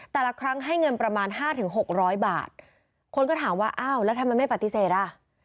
แต่ละครั้งให้เงินประมาณห้าถึงหกร้อยบาทคนก็ถามว่าอ้าวแล้วทำไมไม่ปฏิเสธอ่ะ